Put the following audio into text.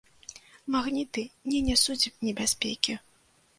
Магніты не нясуць небяспекі!